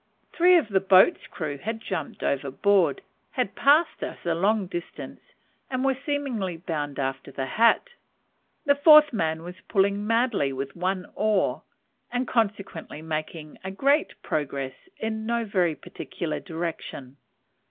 Three of the boat's crew had jumped overboard, had passed us a long distance, and were seemingly bound after the hat; the fourth man was pulling madly with one oar, and consequently making great progress in no very particular direction.